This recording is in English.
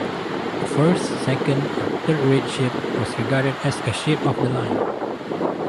A first-, second- or third-rate ship was regarded as a "ship-of-the-line".